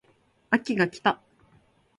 秋が来た